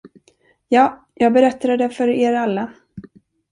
Ja, jag berättade det för er alla.